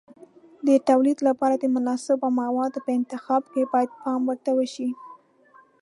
د تولید لپاره د مناسبو موادو په انتخاب کې باید پام ورته وشي.